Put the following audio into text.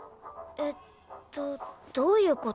えっとどういう事？